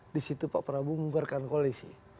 di situ pak prabowo membuarkan koalisi